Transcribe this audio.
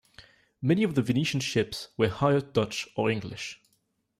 Many of the Venetian ships were hired Dutch or English.